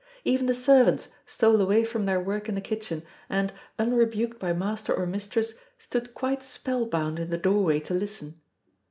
Even the servants stole away from their work in the kitchen, and, unrebuked by master or mistress, stood quite spell bound in the doorway to listen.